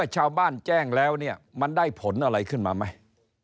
ชาวบ้านแจ้งแล้วเนี่ยมันได้ผลอะไรขึ้นมาไหม